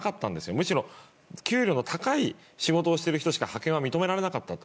むしろ給料の高い仕事をしてる人しか派遣は認められなかったと。